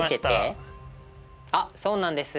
あっそうなんです。